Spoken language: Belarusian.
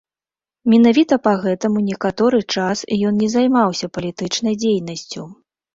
Менавіта па гэтаму некаторы час ён не займаўся палітычнай дзейнасцю.